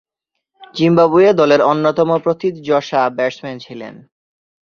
Zimbabwe দলের অন্যতম প্রথিতযশা ব্যাটসম্যান ছিলেন।